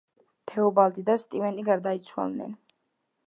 თეობალდი და სტივენი გარდაიცვალნენ.